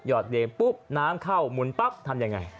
หยอดเดรมปุ๊บน้ำเข้ามุนปั๊บทำอย่างไร